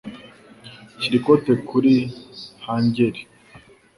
Shyira ikote kuri hangeri.